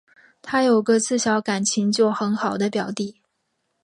她有个自小感情就很好的表弟